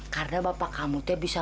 karena bapak kamu teh bisa